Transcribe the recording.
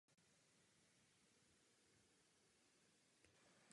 Zprovoznění samotného frameworku je jednoduché.